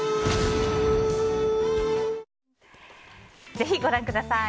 ぜひご覧ください。